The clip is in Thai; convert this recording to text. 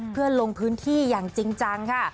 เพื่อลงพื้นที่อย่างจริงจังค่ะ